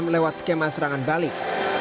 delapan puluh enam lewat skema serangan balik